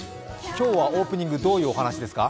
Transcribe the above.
今日はオープニングはどういうお話ですか？